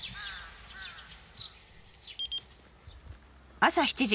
朝７時。